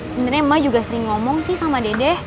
sebenernya emak juga sering ngomong sih sama dedeh